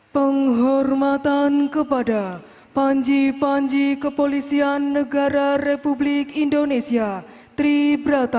penghormatan kepada panji panji kepolisian negara republik indonesia tri brata